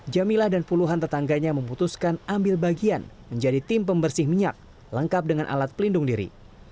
jamilah dan puluhan tetangganya memutuskan ambil bagian menjadi tim pembersih minyak lengkap dengan alat pelindung diri